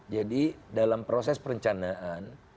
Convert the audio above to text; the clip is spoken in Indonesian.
jadi dalam proses perencanaan